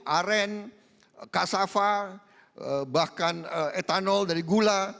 aren kasava bahkan etanol dari gula